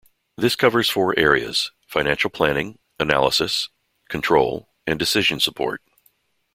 This covers four areas: financial planning, analysis, control, and decision support.